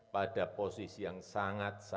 pada posisi yang sangat sangat